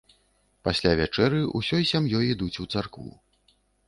Пасля вячэры ўсёй сям'ёй ідуць у царкву.